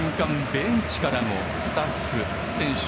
ベンチからもスタッフ、選手